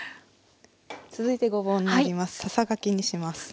続いてごぼうになります。